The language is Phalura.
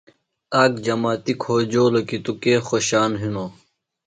آک جماتیۡ کھوجولوۡ کی تُوۡ کے خوشان ہِنوۡ۔